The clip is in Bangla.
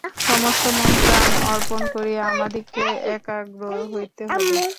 সমস্ত মনপ্রাণ অর্পণ করিয়া আমাদিগকে একাগ্র হইতে হইবে।